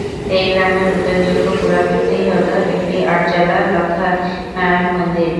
এই গ্রামের উল্লেখযোগ্য পুরাকীর্তি হল একটি আটচালা লক্ষ্মীনারায়ণ মন্দির।